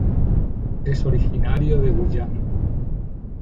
Es originario de Guyana.